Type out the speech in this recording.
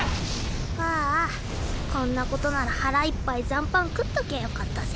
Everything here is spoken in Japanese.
あぁあこんなことなら腹いっぱい残飯食っときゃよかったぜ。